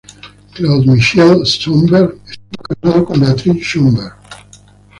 Claude-Michel Schönberg estuvo casado con Beatrice Schönberg.